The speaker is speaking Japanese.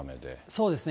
そうですね。